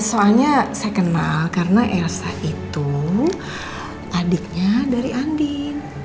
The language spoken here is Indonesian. soalnya saya kenal karena elsa itu adiknya dari andin